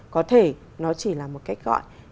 có thể nó chỉ là một cách gọi